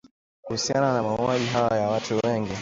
kuhusiana na mauaji hayo ya watu wengi